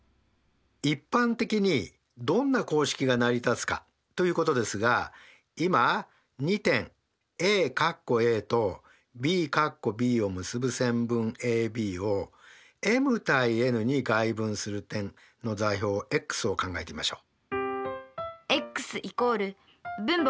一般的にどんな公式が成り立つかということですが今２点ＡとＢを結ぶ線分ＡＢをｍ：ｎに外分する点の座標ｘを考えてみましょう。